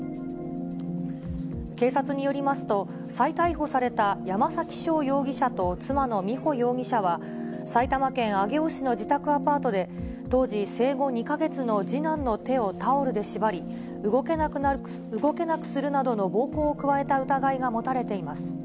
警察によりますと、再逮捕された山崎翔容疑者と妻の美穂容疑者は、埼玉県上尾市の自宅アパートで、当時生後２か月の次男の手をタオルで縛り、動けなくするなどの暴行を加えた疑いが持たれています。